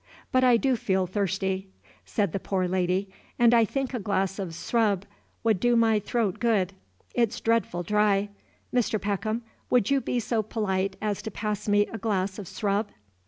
But I do feel thirsty," said the poor lady, "and I think a glass of srub would do my throat good; it's dreadful dry. Mr. Peckham, would you be so polite as to pass me a glass of srub?"